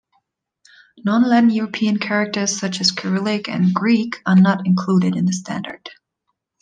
Non-Latin European characters, such as Cyrillic and Greek, are not included in the standard.